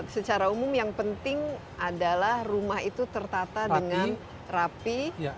secara umum yang penting adalah rumah itu tertata dengan rapi